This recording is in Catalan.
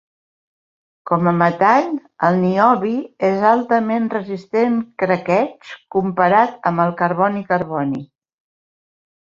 Com a metall, el niobi és altament resistent craqueig comparat amb el carboni-carboni.